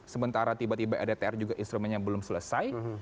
sementara tiba tiba rdtr juga instrumennya belum selesai